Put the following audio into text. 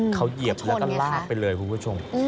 เขาเหยียบแล้วก็ลากไปเลยคุณผู้ชม